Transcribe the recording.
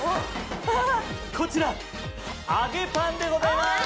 こちら揚げパンでございます！